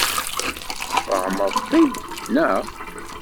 Tesfehmeḍ-t-id, naɣ?